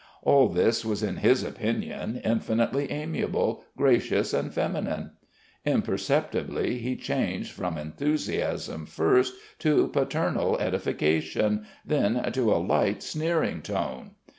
All this was in his opinion infinitely amiable, gracious and feminine. Imperceptibly he changed from enthusiasm first to paternal edification, then to a light, sneering tone....